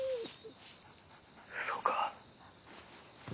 そうか。